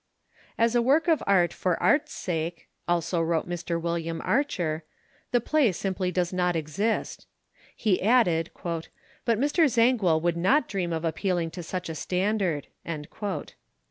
"As a work of art for art's sake," also wrote Mr. William Archer, "the play simply does not exist." He added: "but Mr. Zangwill would not dream of appealing to such a standard." Mr.